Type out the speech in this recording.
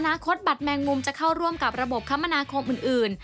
คตบัตรแมงมุมจะเข้าร่วมกับระบบคมนาคมอื่น